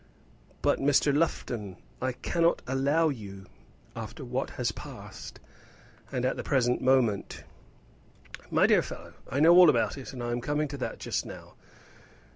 "But, Lufton, I cannot allow you after what has passed and at the present moment " "My dear fellow, I know all about it, and I am coming to that just now.